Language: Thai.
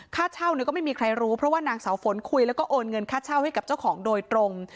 ค่าเช่าก็ไม่มีใครรู้เพราะว่านางสาวฝนคุยแล้วก็โอนเงินค่าเช่าให้กับเจ้าของโดยตรง